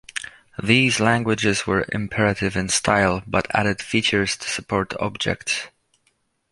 These languages were imperative in style, but added features to support objects.